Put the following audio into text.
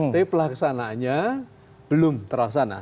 tapi pelaksanaannya belum terlaksana